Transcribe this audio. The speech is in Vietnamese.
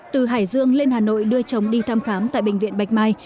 từ hải dương lên hà nội đưa chồng đi thăm khám tại bệnh viện bạch mai